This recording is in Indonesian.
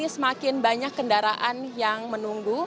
semakin banyak kendaraan yang menunggu